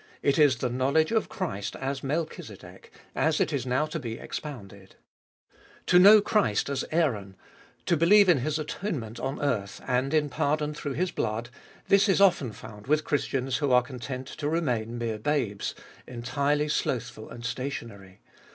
It is the knowledge of Christ as Melchlzedek, as it is now to be ex pounded. To know Christ as Aaron, to believe in His atone ment on earth, and in pardon through His blood, this is often found with Christians who are content to remain mere babes, entirely slothful and stationary.